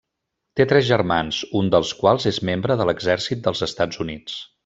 Té tres germans, un dels quals és membre de l'exèrcit dels Estats Units.